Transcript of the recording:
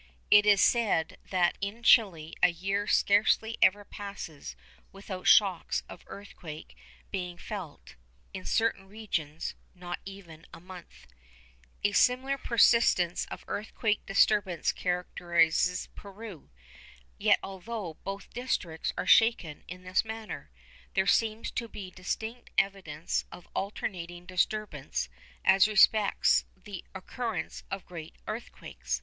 It is said that in Chili a year scarcely ever passes without shocks of earthquake being felt; in certain regions, not even a month. A similar persistence of earthquake disturbance characterises Peru. Yet, although both districts are shaken in this manner, there seems to be distinct evidence of alternating disturbance as respects the occurrence of great earthquakes.